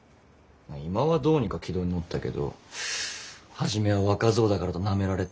今はどうにか軌道に乗ったけど初めは若造だからとなめられて。